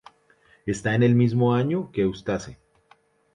Está en el mismo año que Eustace.